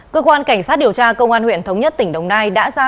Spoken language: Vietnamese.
cơ quan cảnh sát điều tra công an huyện thống nhất tỉnh đồng nai đã ra